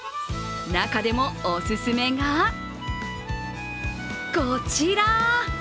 中でもお勧めがこちら。